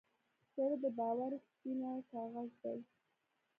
زړه د باور سپینه کاغذ دی.